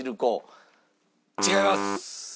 違います。